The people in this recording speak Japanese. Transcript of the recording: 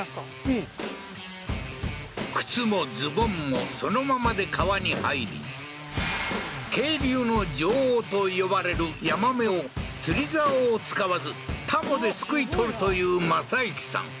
うん靴もズボンもそのままで川に入り渓流の女王と呼ばれるヤマメを釣りざおを使わずタモですくい捕るという正行さん